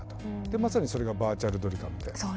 まさにそれが「ヴァーチャルドリカム」で。